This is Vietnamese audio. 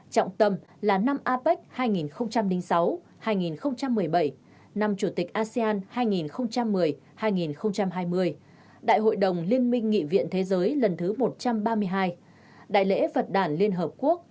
trọng tâm là năm apec hai nghìn sáu hai nghìn một mươi bảy năm chủ tịch asean hai nghìn một mươi hai nghìn hai mươi đại hội đồng liên minh nghị viện thế giới lần thứ một trăm ba mươi hai đại lễ phật đảng liên hợp quốc hai nghìn tám hai nghìn một mươi bốn